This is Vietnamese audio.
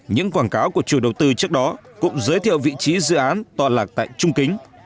những quảng cáo của chủ đầu tư trước đó cũng giới thiệu vị trí dự án tọa lạc tại trung kính